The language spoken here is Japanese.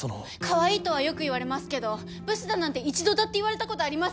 カワイイとはよく言われますけどブスだなんて一度だって言われたことありません！